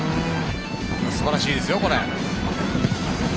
すばらしいですよ。